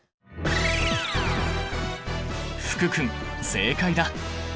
福君正解だ！